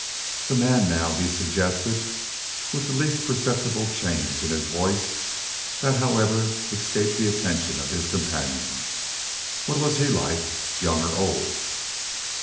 "The man, now," he suggested, with the least perceptible change in his voice, that, however, escaped the attention of his companion. "What was he like; young or old?"